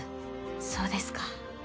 そうですか。